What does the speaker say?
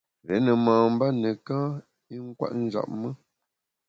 Rié ne mamba neka i nkwet njap me.